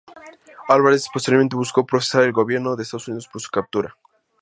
Álvarez posteriormente buscó procesar al gobierno de Estados Unidos por su captura.